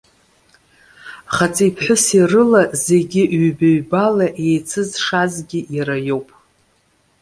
Хаҵеи-ԥҳәыси рыла зегьы ҩба-ҩбала иеицызшазгьы иара иоуп.